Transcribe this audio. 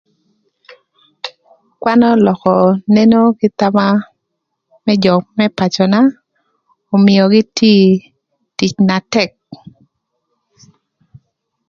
Kwan ölökö neno kï thama më jö më pacöna ömïögï tio tic na tëk.